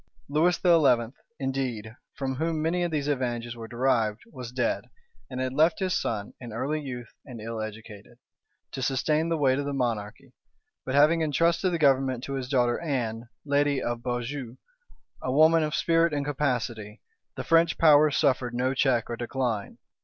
Lewis XI, indeed, from whom many of these advantages were derived, was dead, and had left his son, in early youth and ill educated, to sustain the weight of the monarchy: but having intrusted the government to his daughter Anne, lady of Beaujeu, a woman of spirit and capacity, the French power suffered no check or decline.